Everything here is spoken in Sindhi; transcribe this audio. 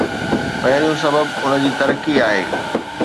پهريون سبب ان جي ترقي آهي.